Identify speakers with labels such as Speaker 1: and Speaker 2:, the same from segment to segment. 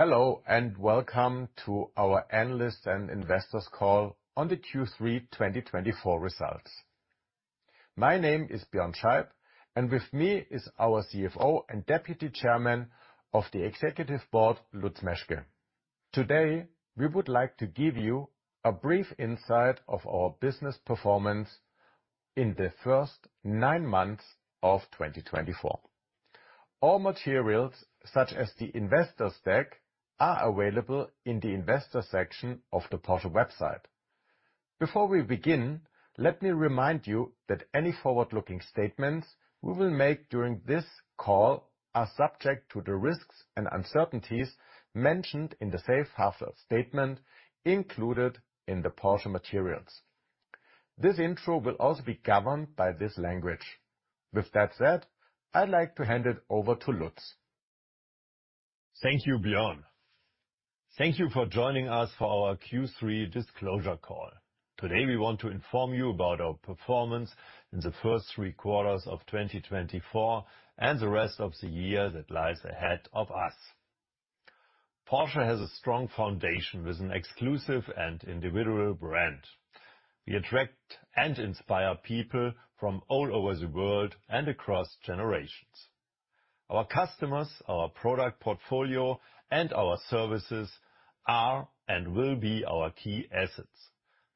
Speaker 1: Hello, and welcome to our analyst and investors call on the Q3 2024 results. My name is Bjoern Scheib, and with me is our CFO and Deputy Chairman of the Executive Board, Lutz Meschke. Today, we would like to give you a brief insight of our business performance in the first nine months of 2024. All materials, such as the investor deck, are available in the investor section of the Porsche website. Before we begin, let me remind you that any forward-looking statements we will make during this call are subject to the risks and uncertainties mentioned in the Safe Harbor Statement included in the Porsche materials. This intro will also be governed by this language. With that said, I'd like to hand it over to Lutz.
Speaker 2: Thank you, Bjoern. Thank you for joining us for our Q3 disclosure call. Today, we want to inform you about our performance in the first three quarters of 2024, and the rest of the year that lies ahead of us. Porsche has a strong foundation with an exclusive and individual brand. We attract and inspire people from all over the world and across generations. Our customers, our product portfolio, and our services are and will be our key assets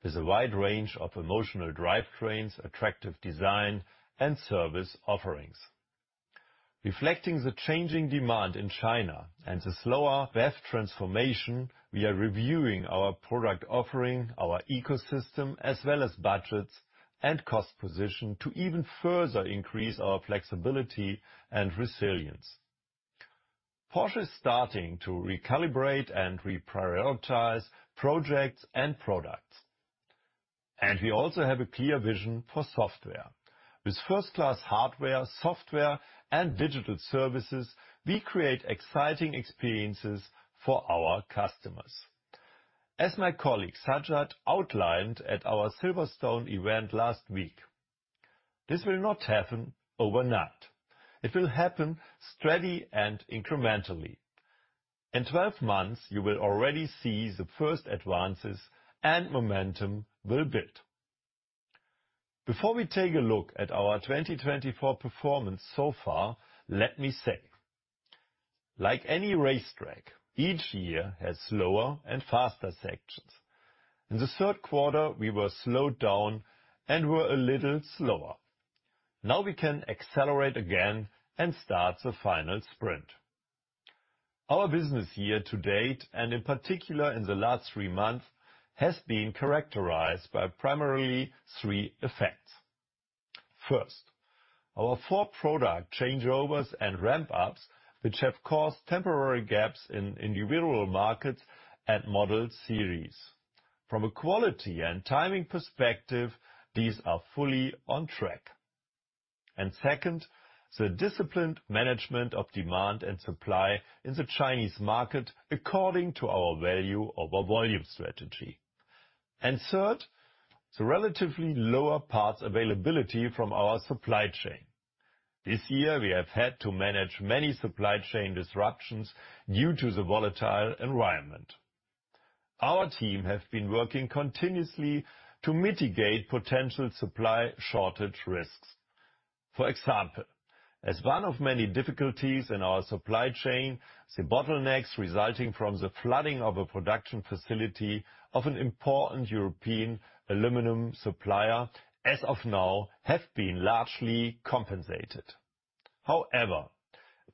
Speaker 2: with a wide range of emotional drivetrains, attractive design, and service offerings. Reflecting the changing demand in China and the slower BEV transformation, we are reviewing our product offering, our ecosystem, as well as budgets and cost position, to even further increase our flexibility and resilience. Porsche is starting to recalibrate and reprioritize projects and products, and we also have a clear vision for software. With first-class hardware, software, and digital services, we create exciting experiences for our customers. As my colleague, Sajjad, outlined at our Silverstone event last week, this will not happen overnight. It will happen steadily and incrementally. In 12 months, you will already see the first advances and momentum will build. Before we take a look at our 2024 performance so far, let me say, like any racetrack, each year has slower and faster sections. In the Q3, we were slowed down and were a little slower. Now, we can accelerate again and start the final sprint. Our business year-to-date, and in particular in the last three months, has been characterized by primarily three effects. First, our four product changeovers and ramp-ups, which have caused temporary gaps in individual markets and model series. From a quality and timing perspective, these are fully on track. And second, the disciplined management of demand and supply in the Chinese market according to our 'value over volume strategy'. And third, the relatively lower parts availability from our supply chain. This year, we have had to manage many supply chain disruptions due to the volatile environment. Our team have been working continuously to mitigate potential supply shortage risks. For example, as one of many difficulties in our supply chain, the bottlenecks resulting from the flooding of a production facility of an important European aluminum supplier, as of now, have been largely compensated. However,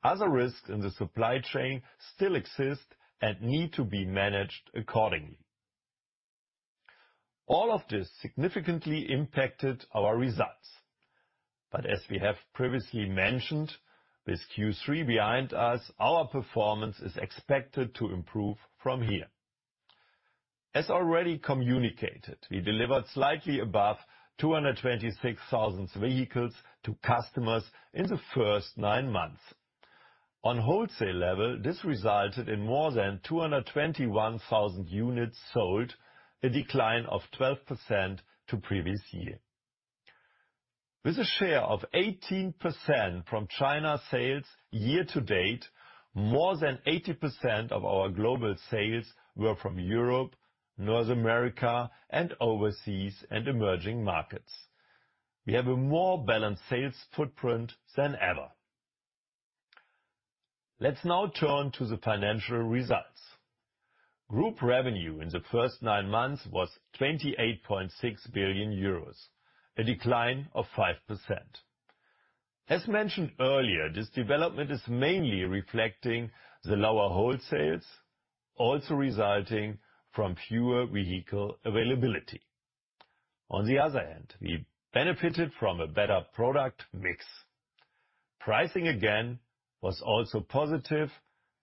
Speaker 2: other risks in the supply chain still exist and need to be managed accordingly. All of this significantly impacted our results. But as we have previously mentioned, with Q3 behind us, our performance is expected to improve from here. As already communicated, we delivered slightly above 226,000 vehicles to customers in the first nine months. On wholesale level, this resulted in more than 221,000 units sold, a decline of 12% to previous year. With a share of 18% from China sales year-to-date, more than 80% of our global sales were from Europe, North America, and overseas, and emerging markets. We have a more balanced sales footprint than ever. Let's now turn to the financial results. Group revenue in the first nine months was 28.6 billion euros, a decline of 5%. As mentioned earlier, this development is mainly reflecting the lower wholesales, also resulting from fewer vehicle availability. On the other hand, we benefited from a better product mix. Pricing again was also positive,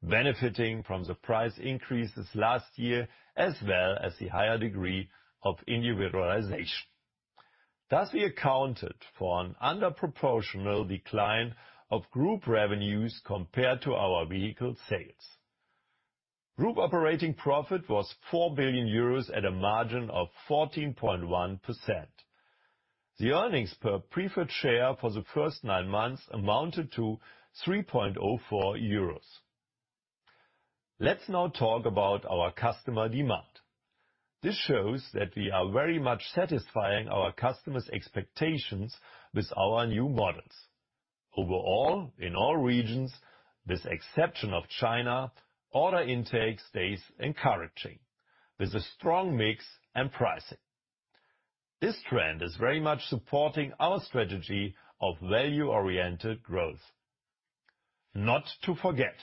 Speaker 2: benefiting from the price increases last year, as well as the higher degree of individualization. Thus, we accounted for an under proportional decline of group revenues compared to our vehicle sales. Group operating profit was 4 billion euros at a margin of 14.1%. The earnings per preferred share for the first nine months amounted to 3.04 euros. Let's now talk about our customer demand. This shows that we are very much satisfying our customers' expectations with our new models. Overall, in all regions, with exception of China, order intake stays encouraging, with a strong mix and pricing. This trend is very much supporting our strategy of value-oriented growth. Not to forget,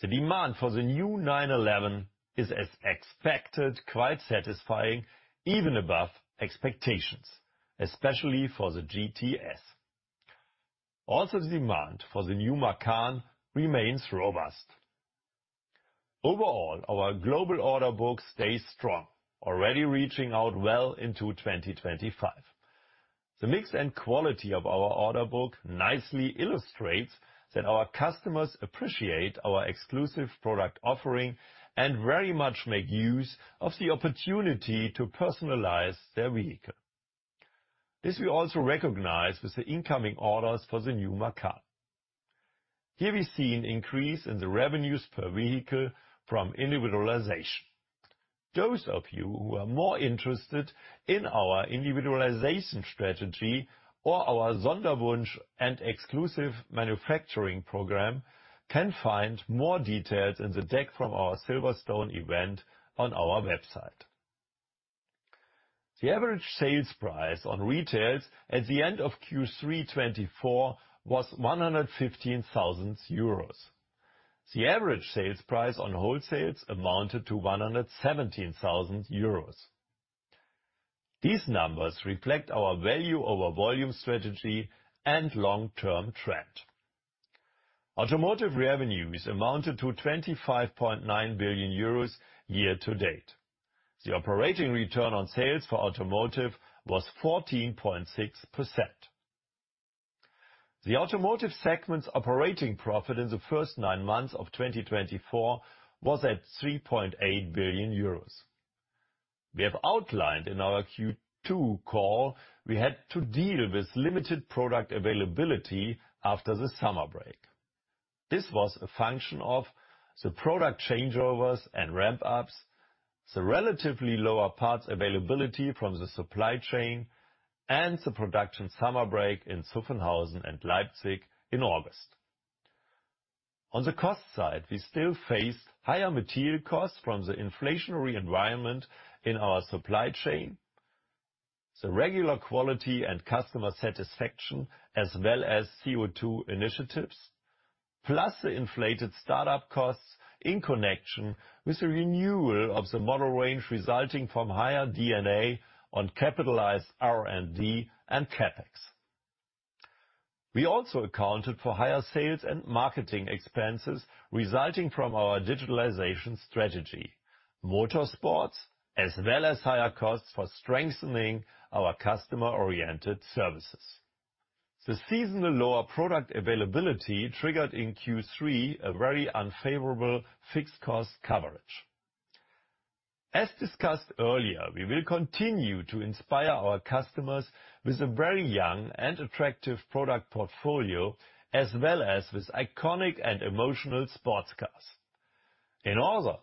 Speaker 2: the demand for the new 911 is, as expected, quite satisfying, even above expectations, especially for the GTS. Also, the demand for the new Macan remains robust. Overall, our global order book stays strong, already reaching well into 2025. The mix and quality of our order book nicely illustrates that our customers appreciate our exclusive product offering and very much make use of the opportunity to personalize their vehicle. This we also recognize with the incoming orders for the new Macan. Here, we see an increase in the revenue per vehicle from individualization. Those of you who are more interested in our individualization strategy or our Sonderwunsch and Exclusive Manufaktur program, can find more details in the deck from our Silverstone event on our website. The average sales price on retail at the end of Q3 2024 was 115,000 euros. The average sales price on wholesale amounted to 117,000 euros. These numbers reflect our 'value over volume strategy' and long-term trend. Automotive revenues amounted to 25.9 billion euros year-to-date. The operating return on sales for automotive was 14.6%. The automotive segment's operating profit in the first nine months of 2024 was at 3.8 billion euros. We have outlined in our Q2 call, we had to deal with limited product availability after the summer break. This was a function of the product changeovers and ramp-ups, the relatively lower parts availability from the supply chain, and the production summer break in Zuffenhausen and Leipzig in August. On the cost side, we still face higher material costs from the inflationary environment in our supply chain, the regular quality and customer satisfaction, as well as CO2 initiatives, plus the inflated startup costs in connection with the renewal of the model range, resulting from higher D&A on capitalized R&D and CapEx. We also accounted for higher sales and marketing expenses resulting from our digitalization strategy, motorsports, as well as higher costs for strengthening our customer-oriented services. The seasonal lower product availability triggered in Q3 a very unfavorable fixed cost coverage. As discussed earlier, we will continue to inspire our customers with a very young and attractive product portfolio, as well as with iconic and emotional sports cars. In order to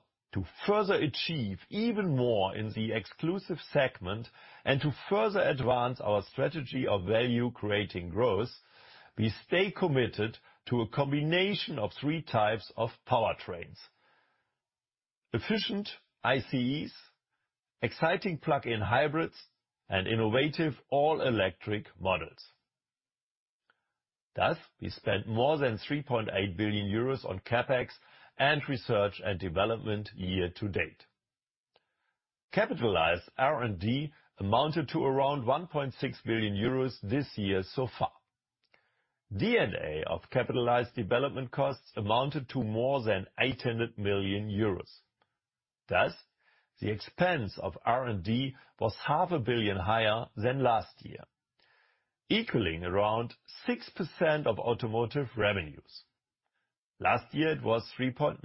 Speaker 2: further achieve even more in the exclusive segment and to further advance our strategy of value-creating growth, we stay committed to a combination of three types of powertrains: efficient ICEs, exciting plug-in hybrids, and innovative all-electric models. Thus, we spent more than 3.8 billion euros on CapEx and research and development year-to-date. Capitalized R&D amounted to around 1.6 billion euros this year so far. D&A of capitalized development costs amounted to more than 800 million euros. Thus, the expense of R&D was 500 million higher than last year, equaling around 6% of automotive revenues. Last year, it was 3.9%.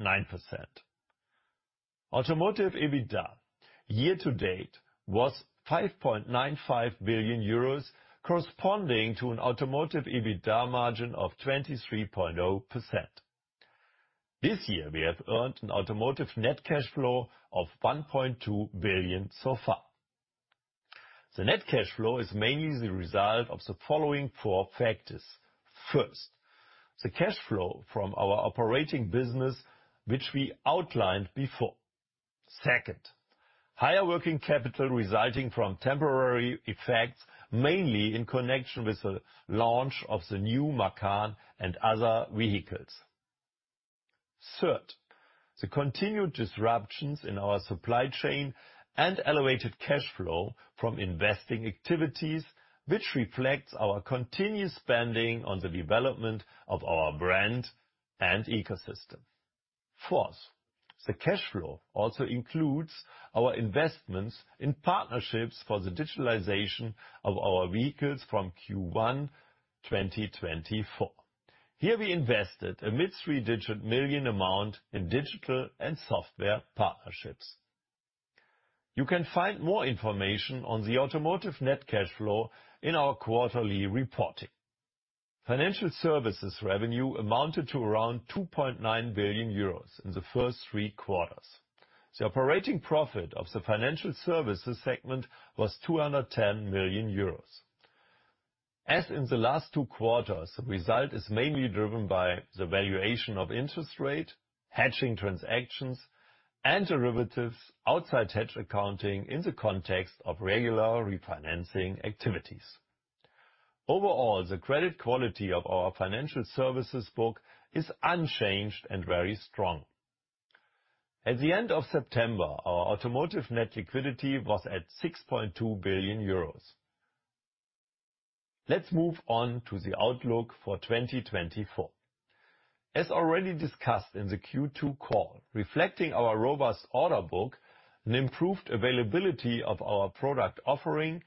Speaker 2: Automotive EBITDA year-to-date was 5.95 billion euros, corresponding to an automotive EBITDA margin of 23.0%. This year, we have earned an automotive net cash flow of 1.2 billion so far. The net cash flow is mainly the result of the following four factors: First, the cash flow from our operating business, which we outlined before. Second, higher working capital resulting from temporary effects, mainly in connection with the launch of the new Macan and other vehicles. Third, the continued disruptions in our supply chain and elevated cash flow from investing activities, which reflects our continued spending on the development of our brand and ecosystem. Fourth, the cash flow also includes our investments in partnerships for the digitalization of our vehicles from Q1 2024. Here we invested a mid-three-digit million amount in digital and software partnerships. You can find more information on the automotive net cash flow in our quarterly reporting. Financial services revenue amounted to around 2.9 billion euros in the first three quarters. The operating profit of the financial services segment was 210 million euros. As in the last two quarters, the result is mainly driven by the valuation of interest rate, hedging transactions, and derivatives outside hedge accounting in the context of regular refinancing activities. Overall, the credit quality of our financial services book is unchanged and very strong. At the end of September, our automotive net liquidity was at 6.2 billion euros. Let's move on to the outlook for 2024. As already discussed in the Q2 call, reflecting our robust order book, an improved availability of our product offering,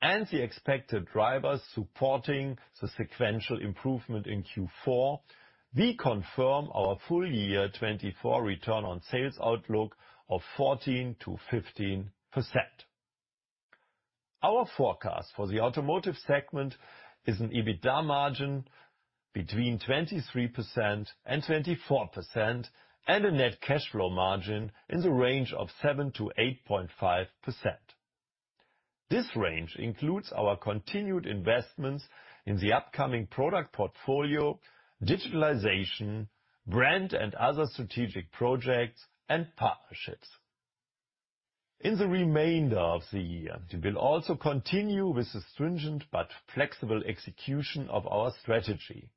Speaker 2: and the expected drivers supporting the sequential improvement in Q4, we confirm our full-year 2024 return on sales outlook of 14%-15%. Our forecast for the automotive segment is an EBITDA margin between 23% and 24%, and a net cash flow margin in the range of 7%-8.5%. This range includes our continued investments in the upcoming product portfolio, digitalization, brand and other strategic projects, and partnerships. In the remainder of the year, we will also continue with the stringent but flexible execution of our strategy.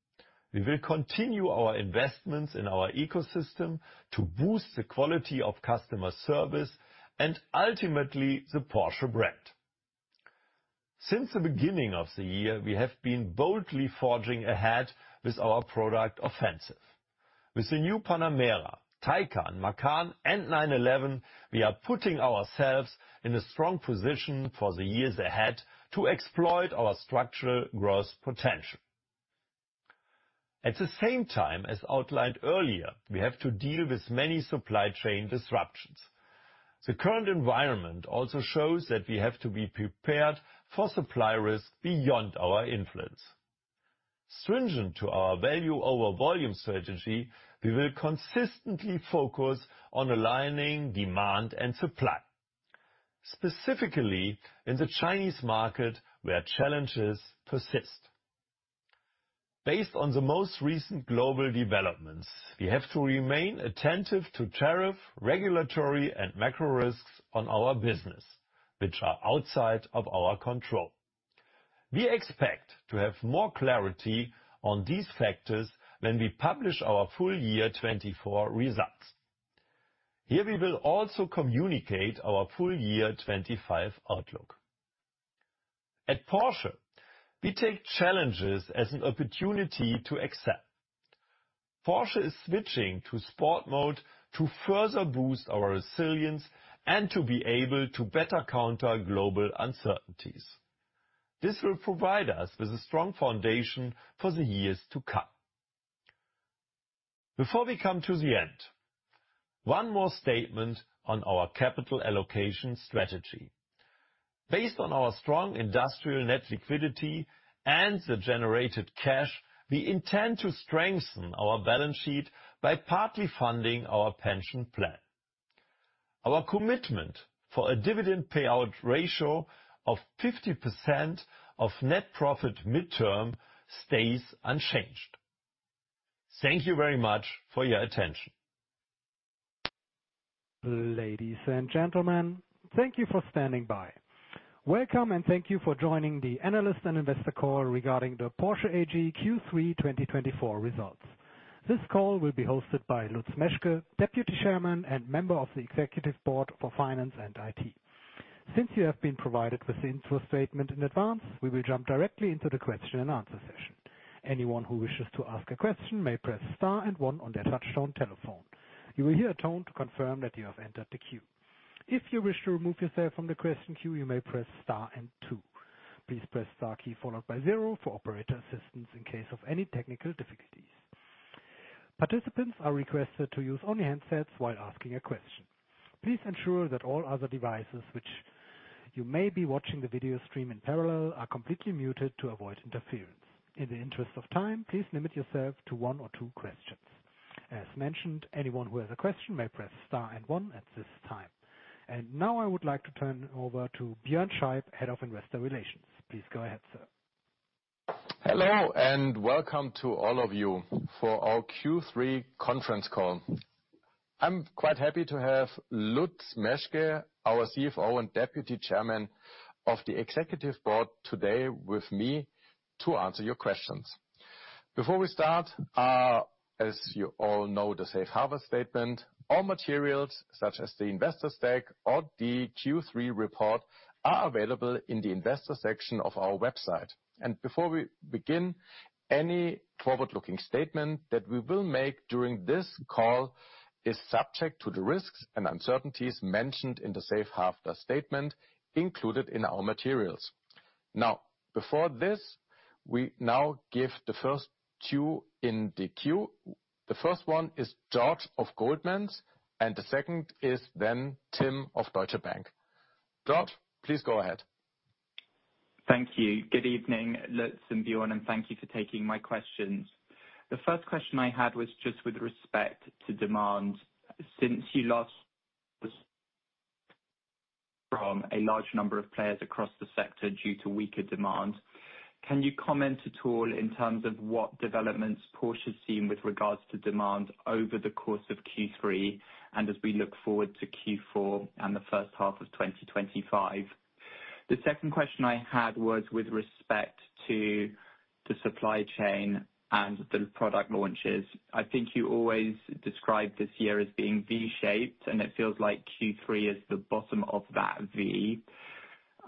Speaker 2: We will continue our investments in our ecosystem to boost the quality of customer service and ultimately, the Porsche brand. Since the beginning of the year, we have been boldly forging ahead with our product offensive. With the new Panamera, Taycan, Macan, and 911, we are putting ourselves in a strong position for the years ahead to exploit our structural growth potential. At the same time, as outlined earlier, we have to deal with many supply chain disruptions. The current environment also shows that we have to be prepared for supply risk beyond our influence. Stringent to our 'value over volume strategy', we will consistently focus on aligning demand and supply, specifically in the Chinese market, where challenges persist. Based on the most recent global developments, we have to remain attentive to tariff, regulatory, and macro risks on our business, which are outside of our control. We expect to have more clarity on these factors when we publish our full year 2024 results. Here, we will also communicate our full year 2025 outlook. At Porsche, we take challenges as an opportunity to excel. Porsche is switching to sport mode to further boost our resilience and to be able to better counter global uncertainties. This will provide us with a strong foundation for the years to come. Before we come to the end, one more statement on our capital allocation strategy. Based on our strong industrial net liquidity and the generated cash, we intend to strengthen our balance sheet by partly funding our pension plan. Our commitment for a dividend payout ratio of 50% of net profit mid-term stays unchanged. Thank you very much for your attention.
Speaker 3: Ladies and gentlemen, thank you for standing by. Welcome, and thank you for joining the analyst and investor call regarding the Porsche AG Q3 2024 results. This call will be hosted by Lutz Meschke, Deputy Chairman and Member of the Executive Board for Finance and IT. Since you have been provided with the intro statement in advance, we will jump directly into the question-and-answer session. Anyone who wishes to ask a question may press star and one on their touchtone telephone. You will hear a tone to confirm that you have entered the queue. If you wish to remove yourself from the question queue, you may press star and two. Please press star key followed by zero for operator assistance in case of any technical difficulties. Participants are requested to use only handsets while asking a question. Please ensure that all other devices, which you may be watching the video stream in parallel, are completely muted to avoid interference. In the interest of time, please limit yourself to one or two questions. As mentioned, anyone who has a question may press star and one at this time. And now, I would like to turn over to Bjoern Scheib, Head of Investor Relations. Please go ahead, sir.
Speaker 1: Hello, and welcome to all of you for our Q3 conference call. I'm quite happy to have Lutz Meschke, our CFO and Deputy Chairman of the Executive Board, today with me to answer your questions. Before we start, as you all know, the Safe Harbor Statement, all materials, such as the investor deck or the Q3 report, are available in the investor section of our website, and before we begin, any forward-looking statement that we will make during this call is subject to the risks and uncertainties mentioned in the Safe Harbor Statement included in our materials. Now, before this, we give the first two in the queue. The first one is George of Goldman's, and the second is then Tim of Deutsche Bank. George, please go ahead.
Speaker 4: Thank you. Good evening, Lutz and Bjoern, and thank you for taking my questions. The first question I had was just with respect to demand. Since you lost from a large number of players across the sector due to weaker demand, can you comment at all in terms of what developments Porsche has seen with regards to demand over the course of Q3, and as we look forward to Q4 and the first half of 2025? The second question I had was with respect to the supply chain and the product launches. I think you always described this year as being V-shaped, and it feels like Q3 is the bottom of that V.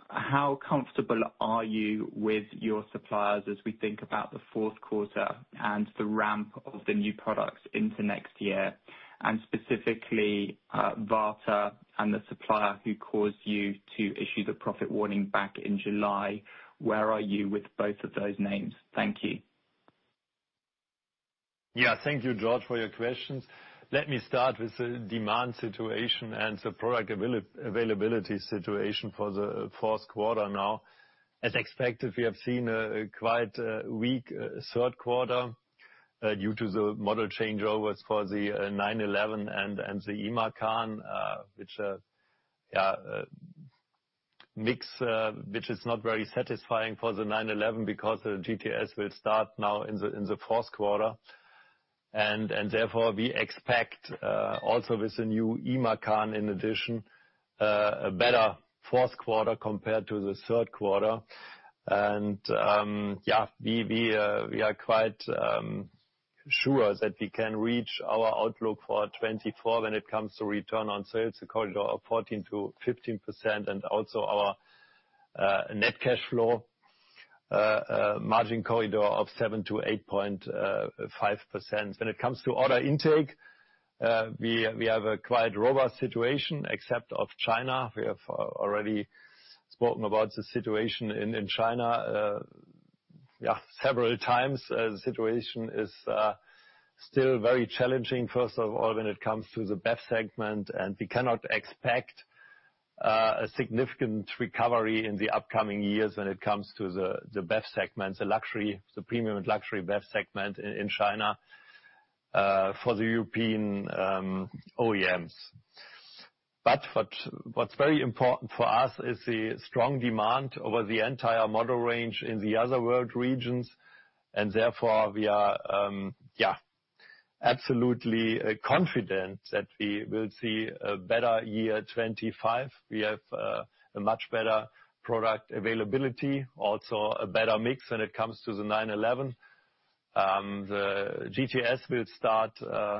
Speaker 4: How comfortable are you with your suppliers as we think about the Q4 and the ramp of the new products into next year, and specifically, Varta and the supplier who caused you to issue the profit warning back in July? Where are you with both of those names? Thank you.
Speaker 2: Yeah. Thank you, George, for your questions. Let me start with the demand situation and the product availability situation for the Q4 now. As expected, we have seen a quite weak Q3 due to the model changeovers for the 911 and the eMacan, which yeah mix which is not very satisfying for the 911 because the GTS will start now in the Q4. And therefore, we expect also with the new eMacan in addition a better Q4 compared to the Q3. Yeah, we are quite sure that we can reach our outlook for 2024 when it comes to return on sales, a corridor of 14%-15%, and also our net cash flow margin corridor of 7%-8.5%. When it comes to order intake, we have a quite robust situation, except of China. We have already spoken about the situation in China several times. The situation is still very challenging, first of all, when it comes to the BEV segment, and we cannot expect a significant recovery in the upcoming years when it comes to the BEV segment, the luxury, the premium and luxury BEV segment in China, for the European OEMs. What’s very important for us is the strong demand over the entire model range in the other world regions, and therefore we are absolutely confident that we will see a better 2025. We have a much better product availability, also a better mix when it comes to the 911. The GTS will start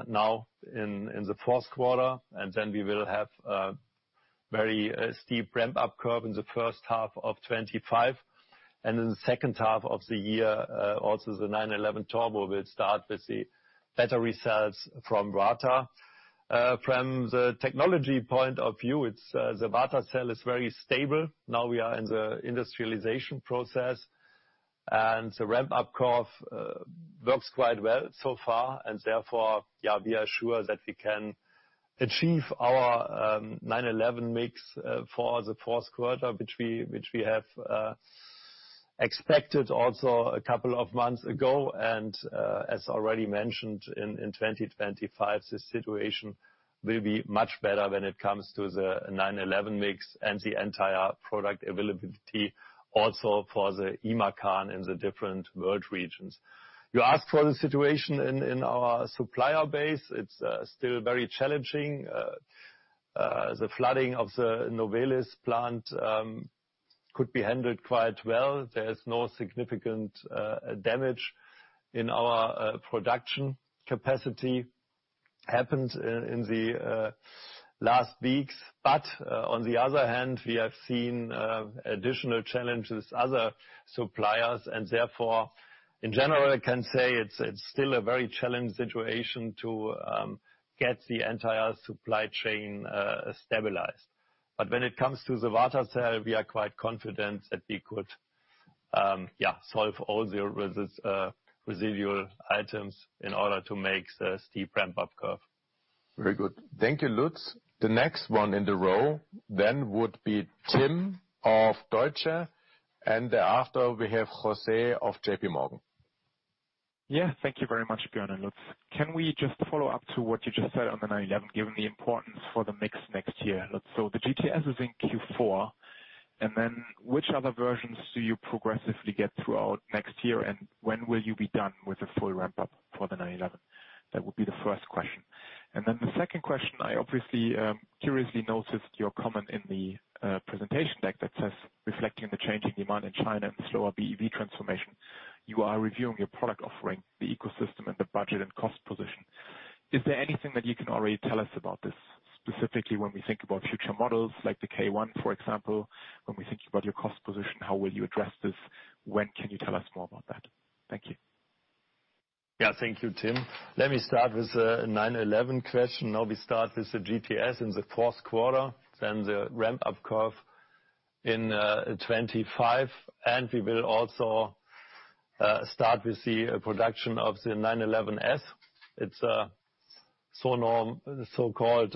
Speaker 2: now in the Q4, and then we will have a very steep ramp-up curve in the first half of 2025. In the second half of the year, also the 911 Turbo will start with the battery cells from Varta. From the technology point of view, it’s the Varta cell is very stable. Now we are in the industrialization process, and the ramp-up curve works quite well so far, and therefore, yeah, we are sure that we can achieve our 911 mix for the Q4, which we have expected also a couple of months ago. As already mentioned, in 2025, the situation will be much better when it comes to the 911 mix and the entire product availability also for the eMacan in the different world regions. You asked for the situation in our supplier base. It's still very challenging. The flooding of the Novelis plant could be handled quite well. There is no significant damage in our production capacity happened in the last weeks. But on the other hand, we have seen additional challenges, other suppliers, and therefore, in general, I can say it's still a very challenged situation to get the entire supply chain stabilized. But when it comes to the Varta cell, we are quite confident that we could solve all the residual items in order to make the steep ramp-up curve.
Speaker 1: Very good. Thank you, Lutz. The next one in the row then would be Tim of Deutsche, and thereafter, we have José of J.P. Morgan.
Speaker 5: Yeah, thank you very much, Bjoern and Lutz. Can we just follow up to what you just said on the 911, given the importance for the mix next year? So the GTS is in Q4, and then which other versions do you progressively get throughout next year, and when will you be done with the full ramp-up for the 911? That would be the first question. And then the second question, I obviously, curiously noticed your comment in the, presentation deck that says, "Reflecting the changing demand in China and the slower BEV transformation, you are reviewing your product offering, the ecosystem, and the budget and cost position." Is there anything that you can already tell us about this, specifically when we think about future models like the K1, for example, when we think about your cost position, how will you address this? When can you tell us more about that? Thank you....
Speaker 2: Yeah, thank you, Tim. Let me start with the 911 question. Now we start with the GTS in the Q4, then the ramp-up curve in 2025, and we will also start with the production of the 911 S. It's a normal, so-called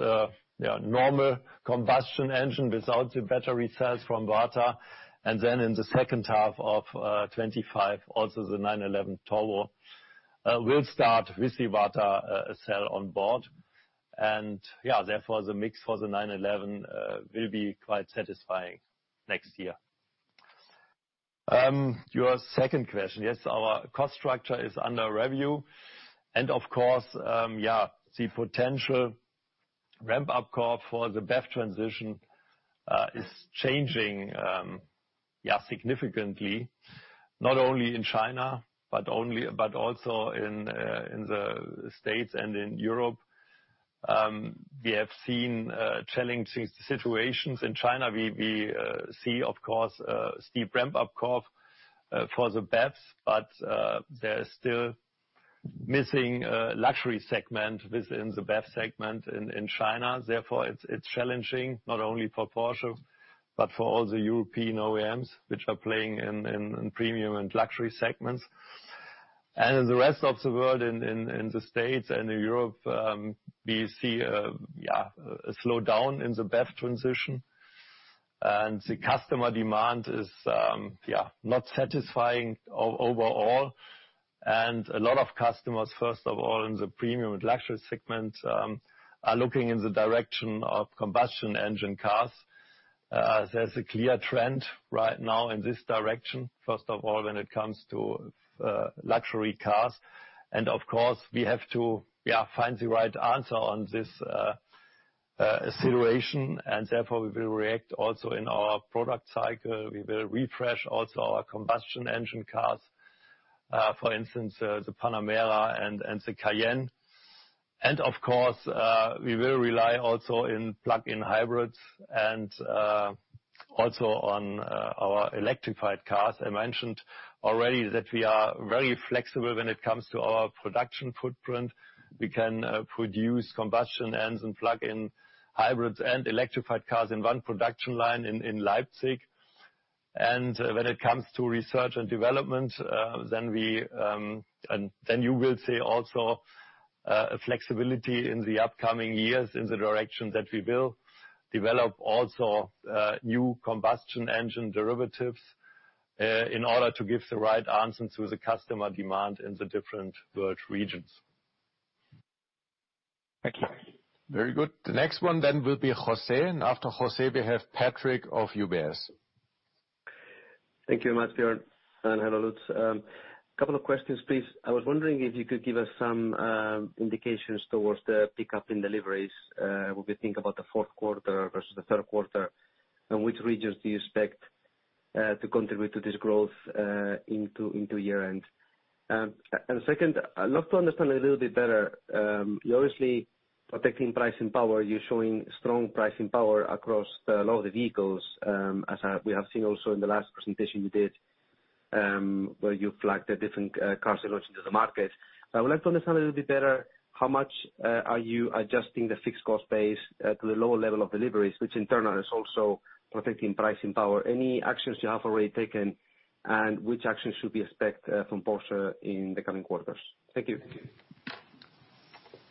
Speaker 2: normal combustion engine without the battery cells from Varta. And then in the second half of 2025, also the 911 Turbo will start with the Varta cell on board. And therefore, the mix for the 911 will be quite satisfying next year. Your second question, yes, our cost structure is under review, and of course, the potential ramp-up curve for the BEV transition is changing significantly, not only in China, but also in the States and in Europe. We have seen challenging situations in China. We see, of course, a steep ramp-up curve for the BEVs, but there is still missing luxury segment within the BEV segment in China. Therefore, it's challenging not only for Porsche, but for all the European OEMs which are playing in premium and luxury segments. And in the rest of the world, in the States and in Europe, we see yeah, a slowdown in the BEV transition. And the customer demand is yeah, not satisfying overall. And a lot of customers, first of all, in the premium and luxury segment, are looking in the direction of combustion engine cars. There's a clear trend right now in this direction, first of all, when it comes to luxury cars. And of course, we have to find the right answer on this acceleration, and therefore, we will react also in our product cycle. We will refresh also our combustion engine cars, for instance, the Panamera and the Cayenne. And of course, we will rely also in plug-in hybrids and also on our electrified cars. I mentioned already that we are very flexible when it comes to our production footprint. We can produce combustion engines and plug-in hybrids and electrified cars in one production line in Leipzig. And when it comes to research and development, then we—And then you will see also flexibility in the upcoming years in the direction that we will develop also new combustion engine derivatives, in order to give the right answers to the customer demand in the different world regions.
Speaker 5: Thank you.
Speaker 1: Very good. The next one then will be José, and after José, we have Patrick of UBS.
Speaker 6: Thank you very much, Bjoern, and hello, Lutz. A couple of questions, please. I was wondering if you could give us some indications towards the pickup in deliveries, when we think about the Q4 versus the Q3, and which regions do you expect to contribute to this growth into year-end? And second, I'd love to understand a little bit better. You're obviously protecting pricing power. You're showing strong pricing power across a lot of the vehicles, as we have seen also in the last presentation you did, where you flagged the different car solutions to the market. I would like to understand a little bit better, how much are you adjusting the fixed cost base to the lower level of deliveries, which in turn is also protecting pricing power? Any actions you have already taken, and which actions should we expect, from Porsche in the coming quarters? Thank you.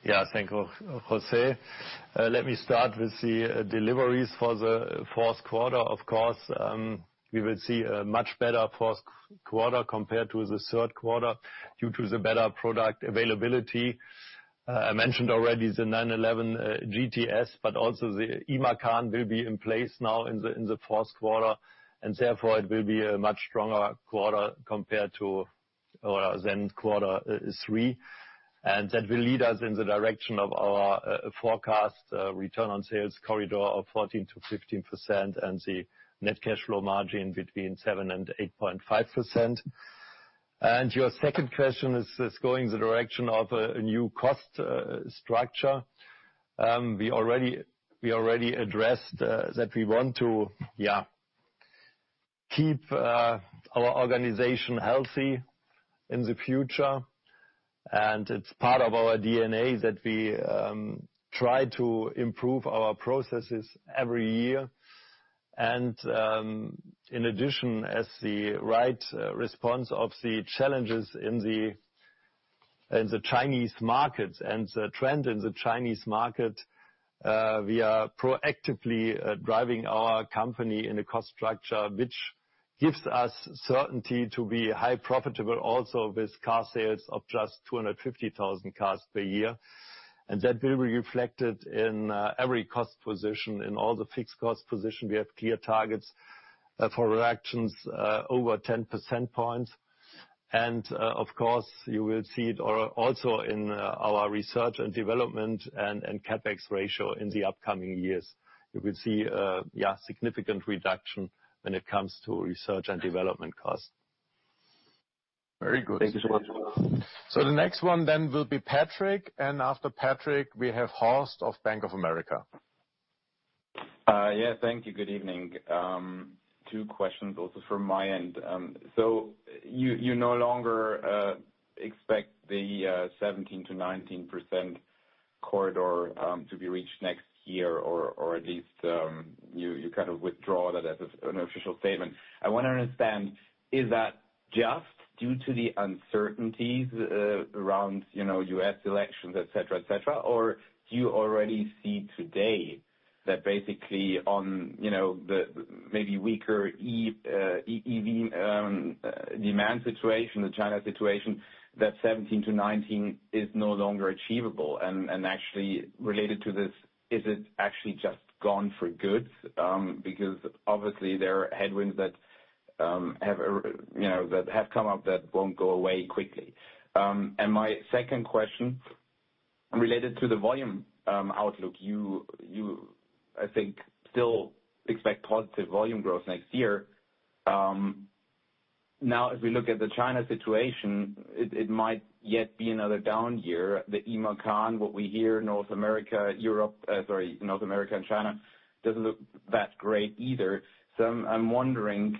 Speaker 2: Yeah, thank you, José. Let me start with the deliveries for the Q4. Of course, we will see a much better Q4 compared to the Q3 due to the better product availability. I mentioned already the 911 GTS, but also the Macan will be in place now in the Q4, and therefore, it will be a much stronger quarter compared to, or than, quarter three. And that will lead us in the direction of our forecast return on sales corridor of 14%-15%, and the net cash flow margin between 7% and 8.5%. And your second question is going the direction of a new cost structure. We already addressed that we want to keep our organization healthy in the future, and it's part of our D&A that we try to improve our processes every year. In addition, as the right response of the challenges in the Chinese market and the trend in the Chinese market, we are proactively driving our company in a cost structure, which gives us certainty to be highly profitable also with car sales of just 250,000 cars per year. And that will be reflected in every cost position. In all the fixed cost position, we have clear targets for reductions over 10 percentage points. Of course, you will see it also in our research and development and CapEx ratio in the upcoming years. You will see significant reduction when it comes to research and development costs.
Speaker 6: Very good. Thank you so much.
Speaker 1: So the next one then will be Patrick, and after Patrick, we have Horst of Bank of America.
Speaker 7: Yeah. Thank you, good evening. Two questions also from my end. So you no longer expect the 17%-19% corridor to be reached next year, or at least you kind of withdraw that as an official statement. I want to understand, is that just due to the uncertainties around, you know, U.S. elections, et cetera, et cetera. Or do you already see today that basically on, you know, the maybe weaker EV demand situation, the China situation, that 17%-19% is no longer achievable? And actually related to this, is it actually just gone for good? Because obviously there are headwinds that, you know, have come up that won't go away quickly. And my second question, related to the volume outlook, you, I think, still expect positive volume growth next year. Now, as we look at the China situation, it might yet be another down year. The eMacan, what we hear, North America, Europe, sorry, North America and China, doesn't look that great either. So I'm wondering,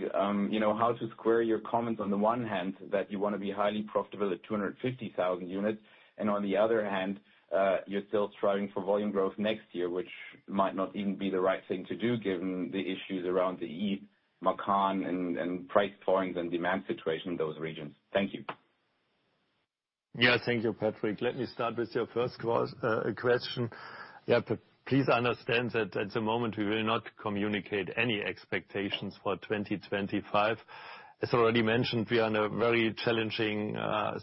Speaker 7: you know, how to square your comments on the one hand, that you wanna be highly profitable at 250,000 units, and on the other hand, you're still striving for volume growth next year, which might not even be the right thing to do, given the issues around the eMacan and price points and demand situation in those regions. Thank you.
Speaker 2: Yeah, thank you, Patrick. Let me start with your first question. Yeah, but please understand that at the moment, we will not communicate any expectations for 2025. As already mentioned, we are in a very challenging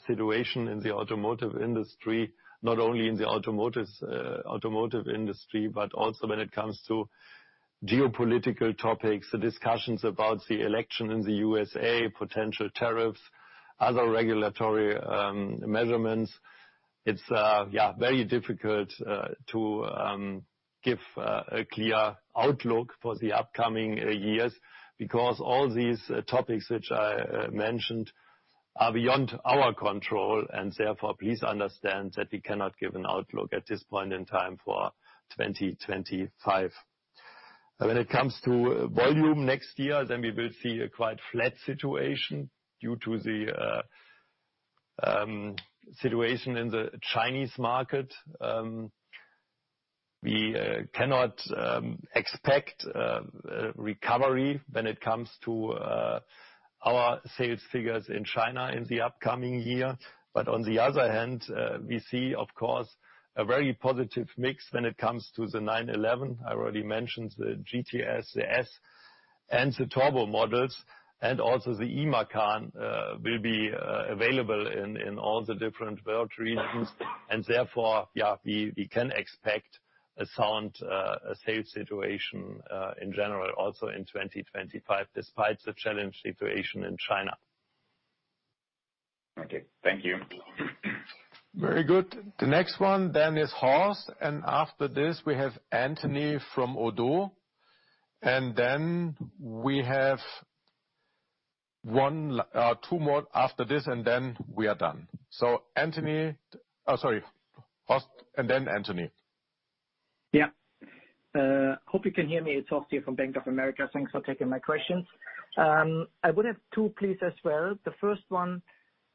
Speaker 2: situation in the automotive industry, not only in the automotive industry, but also when it comes to geopolitical topics, the discussions about the election in the U.S.A., potential tariffs, other regulatory measurements. It's very difficult to give a clear outlook for the upcoming years because all these topics which I mentioned are beyond our control, and therefore, please understand that we cannot give an outlook at this point in time for 2025. When it comes to volume next year, then we will see a quite flat situation due to the situation in the Chinese market. We cannot expect a recovery when it comes to our sales figures in China in the upcoming year. But on the other hand, we see, of course, a very positive mix when it comes to the 911. I already mentioned the GTS, the S, and the turbo models, and also the eMacan will be available in all the different world regions. And therefore, yeah, we can expect a sound sales situation in general, also in 2025, despite the challenging situation in China.
Speaker 7: Okay, thank you.
Speaker 1: Very good. The next one then is Horst, and after this we have Anthony from ODDO, and then we have one, two more after this, and then we are done. So Anthony. Oh, sorry, Horst and then Anthony.
Speaker 8: Yeah. Hope you can hear me. It's Horst here from Bank of America. Thanks for taking my questions. I would have two, please, as well. The first one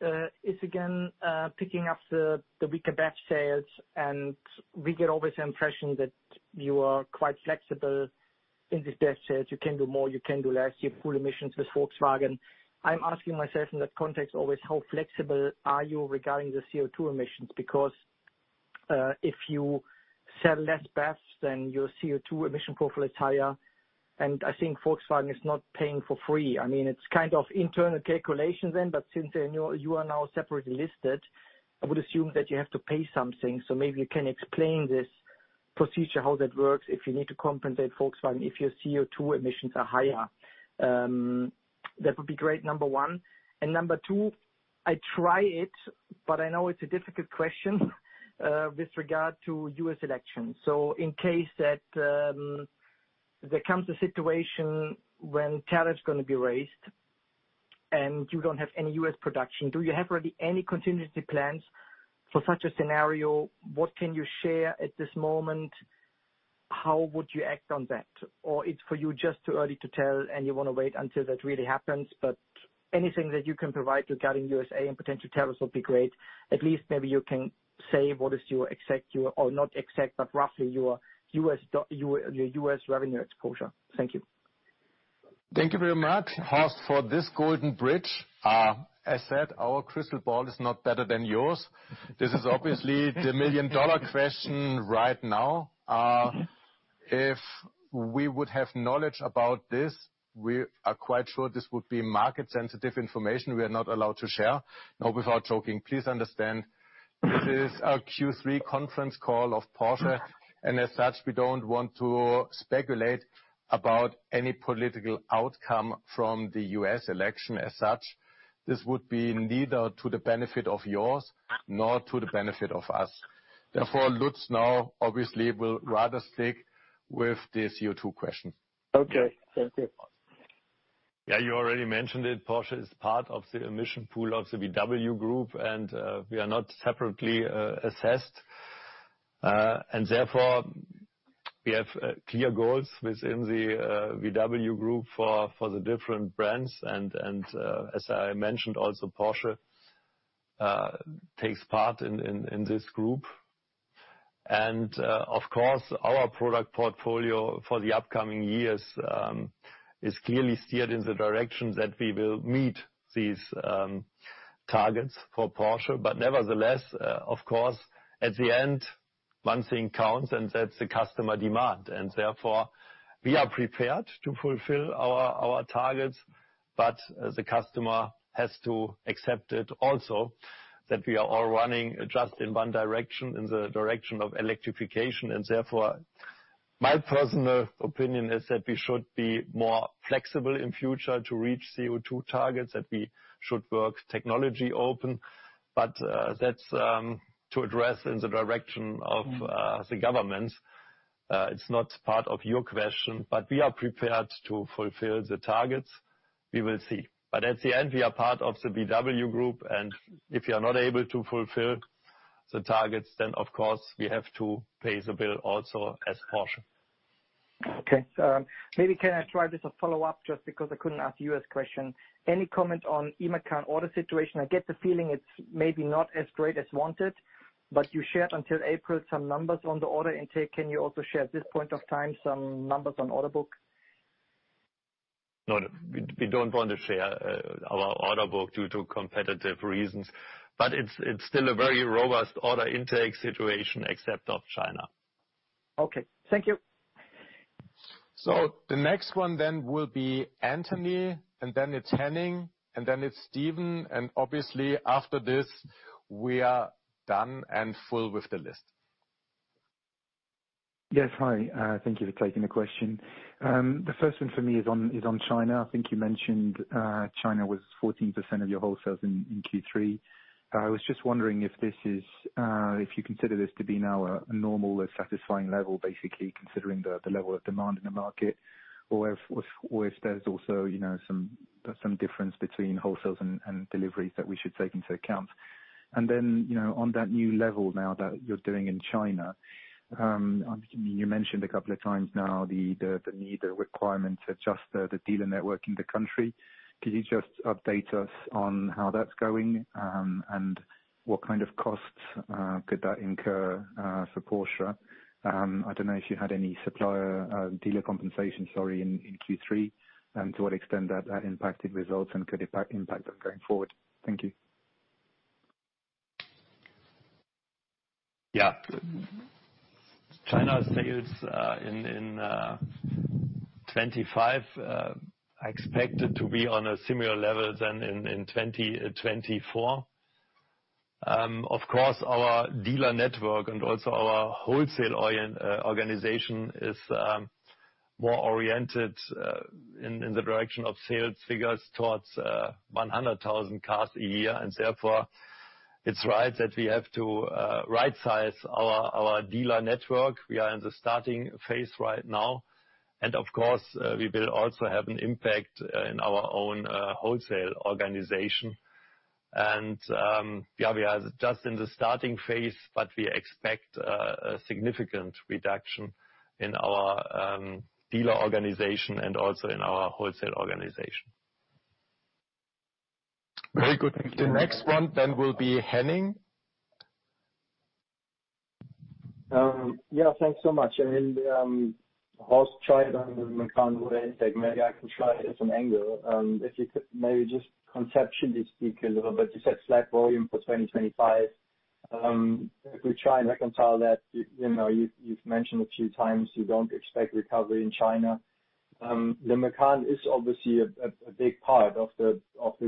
Speaker 8: is again picking up the weaker BEV sales, and we get always the impression that you are quite flexible in this BEV sales. You can do more, you can do less, you have pool emissions with Volkswagen. I'm asking myself in that context always, how flexible are you regarding the CO2 emissions? Because if you sell less BEVs, then your CO2 emission profile is higher, and I think Volkswagen is not paying for free. I mean, it's kind of internal calculation then, but since they know you are now separately listed, I would assume that you have to pay something. Maybe you can explain this procedure, how that works, if you need to compensate Volkswagen if your CO2 emissions are higher. That would be great, number one. Number two, I try it, but I know it's a difficult question with regard to U.S. elections. In case that there comes a situation when tariff's gonna be raised and you don't have any U.S. production, do you have really any contingency plans for such a scenario? What can you share at this moment? How would you act on that? Or it's for you just too early to tell, and you wanna wait until that really happens. But anything that you can provide regarding U.S.A. and potential tariffs will be great. At least maybe you can say what is your exact—or not exact, but roughly your U.S. revenue exposure. Thank you.
Speaker 1: Thank you very much, Horst, for this golden bridge. I said our crystal ball is not better than yours. This is obviously the million-dollar question right now. If we would have knowledge about this, we are quite sure this would be market-sensitive information we are not allowed to share. No, without joking, please understand, this is a Q3 conference call of Porsche, and as such, we don't want to speculate about any political outcome from the U.S. election as such. This would be neither to the benefit of yours nor to the benefit of us. Therefore, Lutz now obviously will rather stick with the CO2 question.
Speaker 8: Okay. Thank you.
Speaker 2: Yeah, you already mentioned it, Porsche is part of the emission pool of the VW Group, and we are not separately assessed. Therefore, we have clear goals within the VW Group for the different brands. As I mentioned, also, Porsche takes part in this group. Of course, our product portfolio for the upcoming years is clearly steered in the direction that we will meet these targets for Porsche. But nevertheless, of course, at the end, one thing counts, and that's the customer demand. Therefore, we are prepared to fulfill our targets, but the customer has to accept it also, that we are all running just in one direction, in the direction of electrification. And therefore, my personal opinion is that we should be more flexible in future to reach CO2 targets, that we should work technology open. But, that's to address in the direction of the government. It's not part of your question, but we are prepared to fulfill the targets. We will see. But at the end, we are part of the VW Group, and if we are not able to fulfill the targets, then of course, we have to pay the bill also as Porsche.
Speaker 8: Okay. Maybe can I try just a follow-up, just because I couldn't ask you this question. Any comment on eMacan order situation? I get the feeling it's maybe not as great as wanted, but you shared until April some numbers on the order intake. Can you also share at this point of time some numbers on order book?
Speaker 2: No, we don't want to share our order book due to competitive reasons. But it's still a very robust order intake situation, except of China.
Speaker 8: Okay, thank you.
Speaker 1: So the next one then will be Anthony, and then it's Henning, and then it's Stephen, and obviously, after this, we are done and full with the list.
Speaker 9: Yes, hi. Thank you for taking the question. The first one for me is on China. I think you mentioned China was 14% of your wholesales in Q3. I was just wondering if this is if you consider this to be now a normal, a satisfying level, basically, considering the level of demand in the market, or if there's also, you know, some difference between wholesales and deliveries that we should take into account. And then, you know, on that new level now that you're doing in China, you mentioned a couple of times now the need, the requirement to adjust the dealer network in the country. Could you just update us on how that's going, and what kind of costs could that incur for Porsche?I don't know if you had any supplier, dealer compensation, in Q3, and to what extent that impacted results and could impact them going forward. Thank you.
Speaker 2: Yeah. China's sales in 2025 are expected to be on a similar level than in 2024. Of course, our dealer network and also our wholesale organization is more oriented in the direction of sales figures towards 100,000 cars a year, and therefore, it's right that we have to rightsized our dealer network. We are in the starting phase right now. Of course, we will also have an impact in our own wholesale organization. Yeah, we are just in the starting phase, but we expect a significant reduction in our dealer organization and also in our wholesale organization.
Speaker 1: Very good. The next one then will be Henning.
Speaker 10: Yeah, thanks so much. And, Horst tried on the Macan order intake. Maybe I can try it as an angle. If you could maybe just conceptually speak a little bit, you said flat volume for 2025. If we try and reconcile that, you know, you've mentioned a few times you don't expect recovery in China. The Macan is obviously a big part of the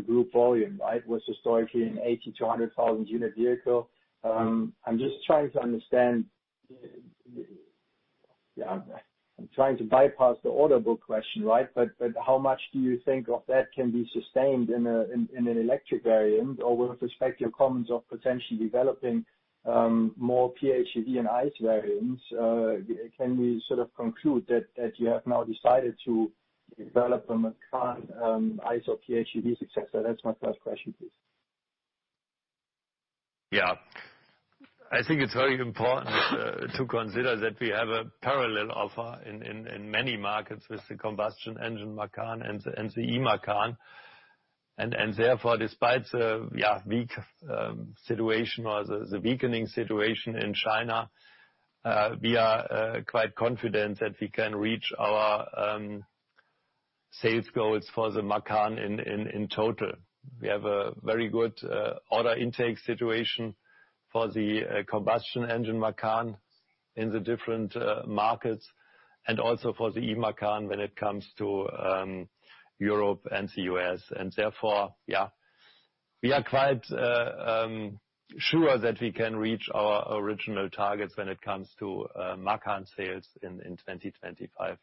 Speaker 10: group volume, right? It was historically an 80,000-100,000 unit vehicle. I'm just trying to understand. Yeah, I'm trying to bypass the order book question, right? But how much do you think of that can be sustained in an electric variant, or with respect to your comments of potentially developing more PHEV and ICE variants, can we sort of conclude that you have now decided to develop a Macan ICE or PHEV successor? That's my first question, please.
Speaker 2: I think it's very important to consider that we have a parallel offer in many markets with the combustion engine Macan and the eMacan. And therefore, despite the weak situation or the weakening situation in China, we are quite confident that we can reach our sales goals for the Macan in total. We have a very good order intake situation for the combustion engine Macan in the different markets, and also for the eMacan when it comes to Europe and the U.S. And therefore, we are quite sure that we can reach our original targets when it comes to Macan sales in 2025.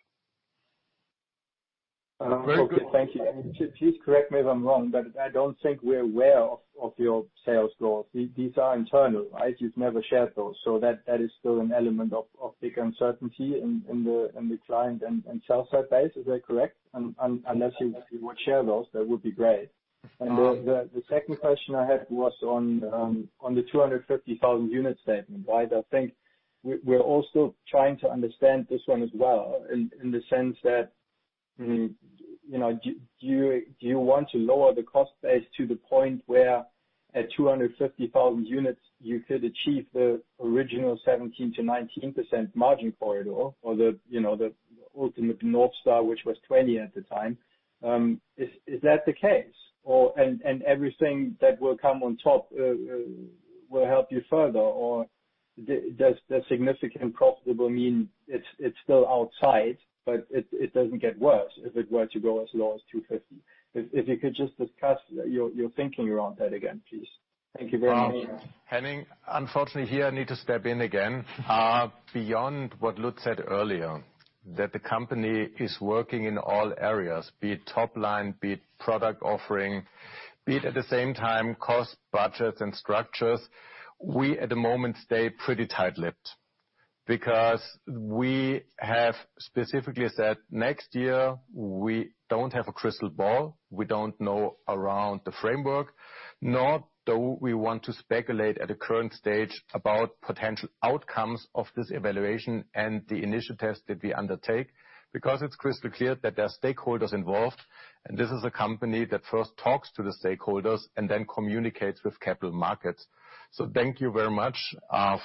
Speaker 10: Okay, thank you. And please correct me if I'm wrong, but I don't think we're aware of your sales goals. These are internal, right? You've never shared those, so that is still an element of big uncertainty in the client and sales side base. Is that correct? Unless you would share those, that would be great. And the second question I had was on the 250,000 unit statement, right? I think we're also trying to understand this one as well, in the sense that, you know, do you want to lower the cost base to the point where at 250,000 units, you could achieve the original 17%-19% margin corridor, or the ultimate North Star, which was 20% at the time? Is that the case, or and everything that will come on top will help you further, or does the significant profitable mean it's still outside, but it doesn't get worse if it were to go as low as two fifty? If you could just discuss your thinking around that again, please. Thank you very much.
Speaker 1: Henning, unfortunately, here I need to step in again. Beyond what Lutz said earlier, that the company is working in all areas, be it top line, be it product offering, be it at the same time, cost, budgets, and structures, we at the moment stay pretty tight-lipped. Because we have specifically said, next year, we don't have a crystal ball, we don't know around the framework, nor do we want to speculate at the current stage about potential outcomes of this evaluation and the initiatives that we undertake, because it's crystal clear that there are stakeholders involved, and this is a company that first talks to the stakeholders and then communicates with capital markets. So thank you very much,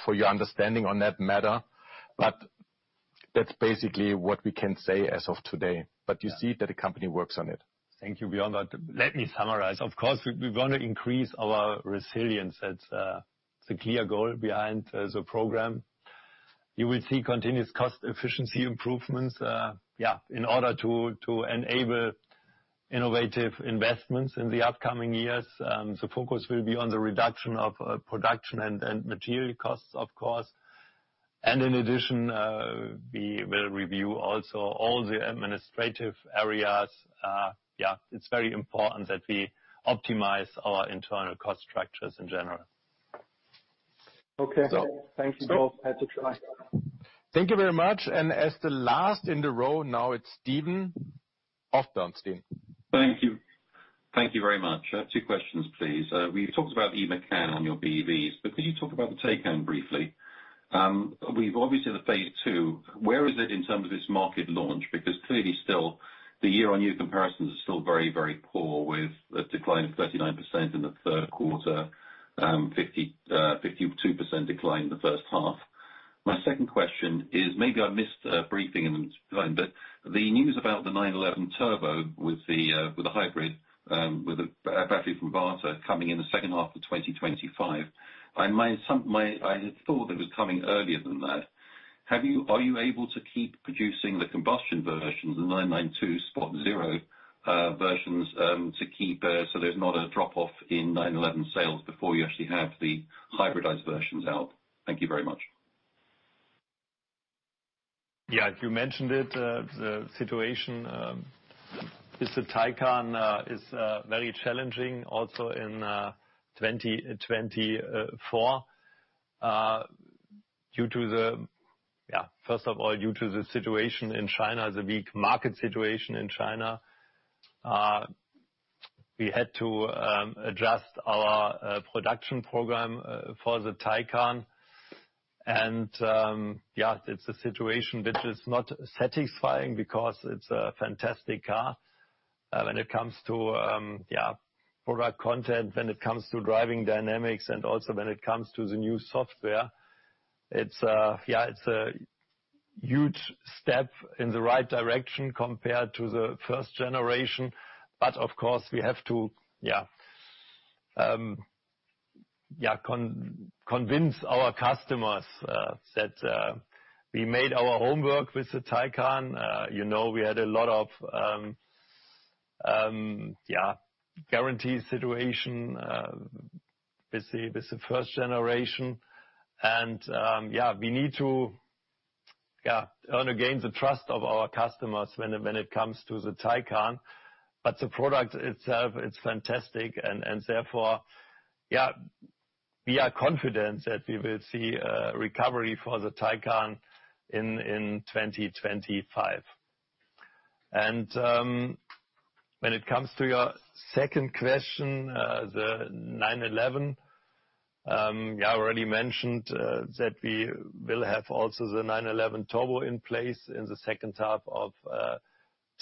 Speaker 1: for your understanding on that matter, but that's basically what we can say as of today. But you see that the company works on it.
Speaker 2: Thank you, beyond that, let me summarize. Of course, we want to increase our resilience. That's the clear goal behind the program. You will see continuous cost efficiency improvements in order to enable innovative investments in the upcoming years. The focus will be on the reduction of production and material costs, of course. And in addition, we will review also all the administrative areas. It's very important that we optimize our internal cost structures in general.
Speaker 10: Okay.
Speaker 2: So-
Speaker 10: Thank you both. Had to try.
Speaker 1: Thank you very much. And as the last in the row, now it's Stephen of Bernstein.
Speaker 11: Thank you. Thank you very much. Two questions, please. We talked about eMacan on your BEVs, but could you talk about the Taycan briefly? We've obviously the phase two, where is it in terms of its market launch? Because clearly, still, the year-on-year comparisons are still very, very poor, with a decline of 39% in the Q3, 52% decline in the first half. My second question is, maybe I missed a briefing in the meantime, but the news about the 911 Turbo with the hybrid, with a battery from Varta coming in the second half of 2025, I had thought it was coming earlier than that. Are you able to keep producing the combustion versions, the 992 point zero versions, so there's not a drop-off in 911 sales before you actually have the hybridized versions out? Thank you very much.
Speaker 2: Yeah, you mentioned it, the situation is the Taycan is very challenging also in 2024. Yeah, first of all, due to the situation in China, the weak market situation in China, we had to adjust our production program for the Taycan. And, yeah, it's a situation which is not satisfying because it's a fantastic car when it comes to product content, when it comes to driving dynamics, and also when it comes to the new software. It's, yeah, it's a huge step in the right direction compared to the first generation, but of course, we have to convince our customers that we made our homework with the Taycan. You know, we had a lot of warranty situation with the first generation. We need to earn again the trust of our customers when it comes to the Taycan. But the product itself, it's fantastic, and therefore we are confident that we will see a recovery for the Taycan in 2025. When it comes to your second question, the 911, yeah, I already mentioned that we will have also the 911 Turbo in place in the second half of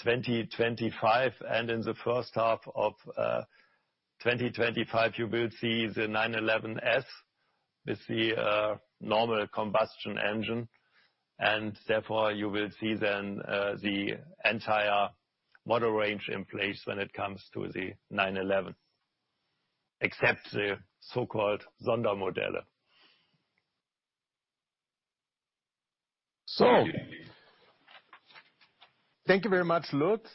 Speaker 2: 2025, and in the first half of 2025, you will see the 911 S with the normal combustion engine, and therefore, you will see then the entire model range in place when it comes to the 911, except the so-called Sondermodelle.
Speaker 1: Thank you very much, Lutz.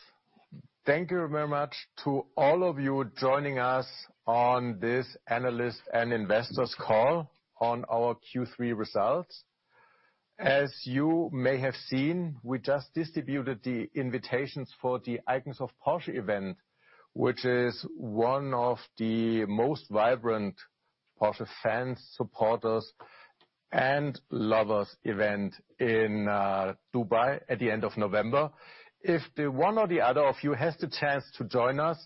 Speaker 1: Thank you very much to all of you joining us on this analyst and investors call on our Q3 results. As you may have seen, we just distributed the invitations for the Icons of Porsche event, which is one of the most vibrant Porsche fans, supporters, and lovers event in Dubai at the end of November. If the one or the other of you has the chance to join us,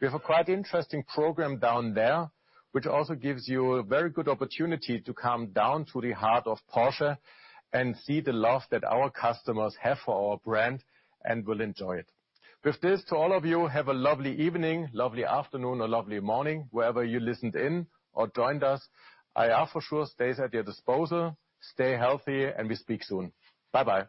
Speaker 1: we have a quite interesting program down there, which also gives you a very good opportunity to come down to the heart of Porsche and see the love that our customers have for our brand and will enjoy it. With this, to all of you, have a lovely evening, lovely afternoon, a lovely morning, wherever you listened in or joined us. I am for sure at your disposal. Stay healthy, and we speak soon. Bye-bye.